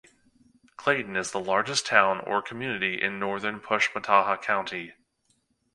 Clayton is the largest town or community in northern Pushmataha County.